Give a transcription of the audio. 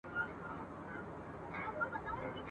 نه به زه یم نه به ته نه دا وطن وي !.